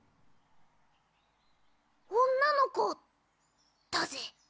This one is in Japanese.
女の子だぜ。